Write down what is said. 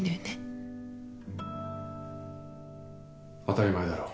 当たり前だろ。